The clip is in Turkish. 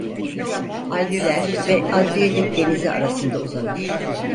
Alpler ve Adriyatik Denizi arasında uzanır.